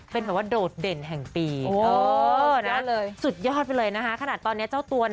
เป็นแบบว่าโดดเด่นแห่งปีสุดยอดไปเลยนะคะขนาดตอนนี้เจ้าตัวนะ